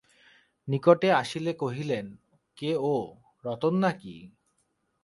নিকটে আসিলে কহিলেন, কে ও, রতন নাকি?